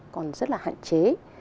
còn rất là hạn chế